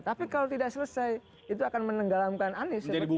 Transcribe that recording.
tapi kalau tidak selesai itu akan menenggalamkan anies